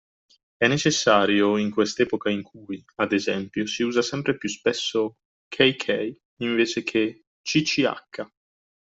È necessario in quest’epoca in cui, ad esempio, si usa sempre più spesso “kk” invece che “cch”